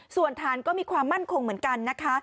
ส่วนฐานก็มีความมั่นคงเหมือนกันนะคะ